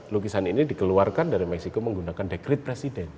lukisan ini dikeluarkan dari meksiko menggunakan dekret presiden